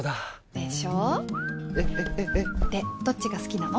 でどっちが好きなの？